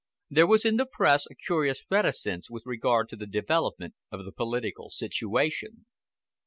There was in the Press a curious reticence with regard to the development of the political situation.